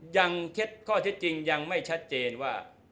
ยังเท็จจริงยังไม่ชัดเจนว่า